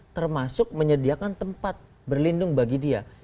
termasuk menyediakan tempat berlindung bagi dia